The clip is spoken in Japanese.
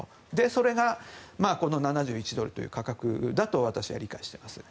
それがこの７１ドルという価格だと私は理解しています。